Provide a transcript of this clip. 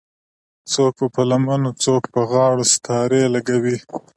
څوک په لمنو څوک په غاړو ستارې لګوي